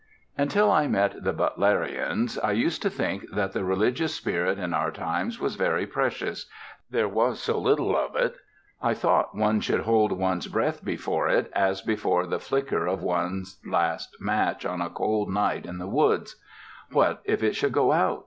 UNTIL I met the Butlerians I used to think that the religious spirit in our times was very precious, there was so little of it. I thought one should hold one's breath before it as before the flicker of one's last match on a cold night in the woods. "What if it should go out?"